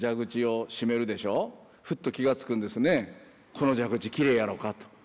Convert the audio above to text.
「この蛇口きれいやろか？」と。